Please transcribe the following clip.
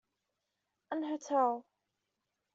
An hotel.